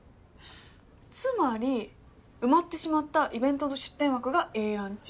つまり埋まってしまったイベントの出展枠がＡランチ。